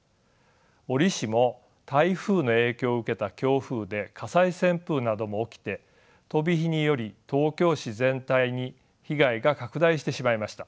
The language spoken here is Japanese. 折しも台風の影響を受けた強風で火災旋風なども起きて飛び火により東京市全体に被害が拡大してしまいました。